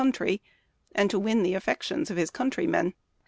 country, and to win the affections of his country men.